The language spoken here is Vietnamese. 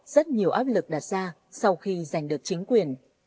rất nhiều áp lực đặt ra sau khi giành được chính quyền